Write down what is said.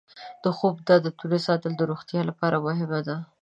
د خوب د عادتونو ساتل د روغتیا لپاره مهم دی.